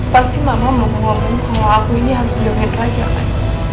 pasti mama mau ngomong kalau aku ini harus jauhin raja kan